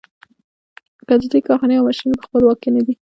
که د دوی کارخانې او ماشینونه په خپل واک کې نه دي.